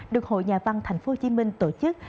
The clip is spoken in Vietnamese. được hội nhà văn tp hcm tổ chức